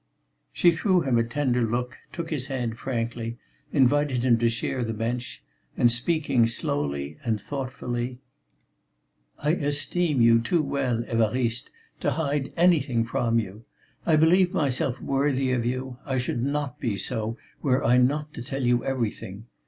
She threw him a tender look, took his hand frankly, invited him to share the bench and speaking slowly and thoughtfully: "I esteem you too well, Évariste, to hide anything from you. I believe myself worthy of you; I should not be so were I not to tell you everything.